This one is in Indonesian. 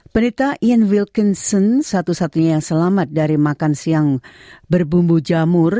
penita ian wilkinson satu satunya yang selamat dari makan siang berbumbu jamur